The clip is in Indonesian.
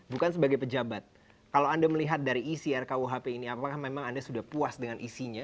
bukan sebagai pejabat kalau anda melihat dari isi rkuhp ini apakah memang anda sudah puas dengan isinya